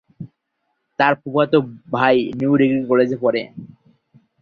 তার ফুফাতো ভাই নিউ ডিগ্রি কলেজে পড়ে।